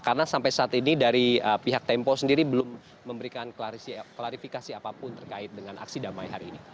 karena sampai saat ini dari pihak tempo sendiri belum memberikan klarifikasi apapun terkait dengan aksi damai hari ini